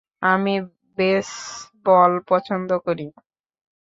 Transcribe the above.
আমি বেসবল পছন্দ করি।